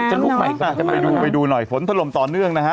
หลุมลูกใหม่นะฮืมไปดูหน่อยฝนถล่มต่อเนื่องนะคะ